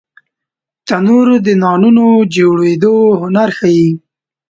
تنور د نانونو جوړېدو هنر ښيي